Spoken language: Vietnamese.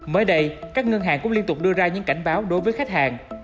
mới đây các ngân hàng cũng liên tục đưa ra những cảnh báo đối với khách hàng